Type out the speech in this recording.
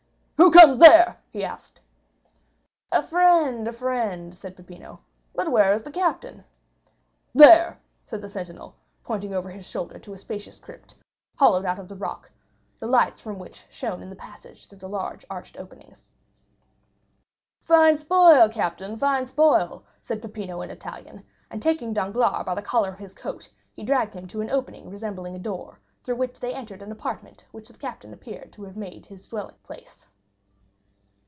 "Who comes there?" he cried. "A friend, a friend!" said Peppino; "but where is the captain?" "There," said the sentinel, pointing over his shoulder to a spacious crypt, hollowed out of the rock, the lights from which shone into the passage through the large arched openings. "Fine spoil, captain, fine spoil!" said Peppino in Italian, and taking Danglars by the collar of his coat he dragged him to an opening resembling a door, through which they entered the apartment which the captain appeared to have made his dwelling place.